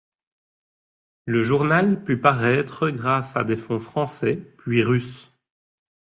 Le journal put paraître grâce à des fonds français, puis russes.